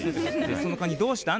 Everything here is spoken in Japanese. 「そのカニどうしたん？」